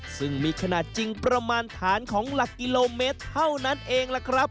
ซึ่งมีขนาดจริงประมาณฐานของหลักกิโลเมตรเท่านั้นเองล่ะครับ